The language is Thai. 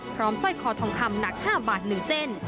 พร้อมสร้อยคอทองคำหนัก๕บาทหนึ่งเซ็น